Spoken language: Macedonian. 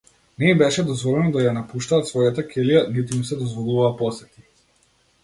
Не им беше дозволено да ја напуштаат својата ќелија, ниту им се дозволуваа посети.